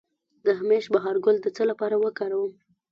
د همیش بهار ګل د څه لپاره وکاروم؟